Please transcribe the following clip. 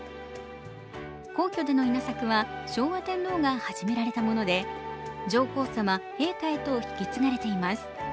皇居での稲作は、昭和天皇が始められたもので上皇さま、陛下へと引き継がれています。